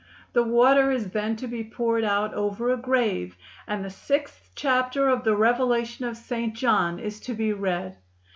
The water is then to be poured out over a grave and the sixth chapter of the Revelation of St. John is to be read.